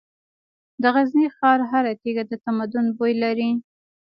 د غزني ښار هره تیږه د تمدن بوی لري.